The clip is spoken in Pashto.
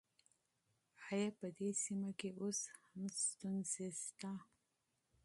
آيا په دې سيمه کې اوس هم ستونزې شته؟